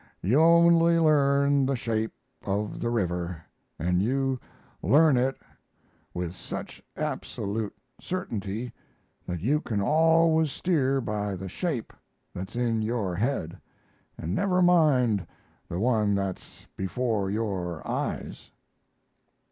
you only learn the shape of the river; and you learn it with such absolute certainty that you can always steer by the shape that's in your head, and never mind the one that's before your eyes."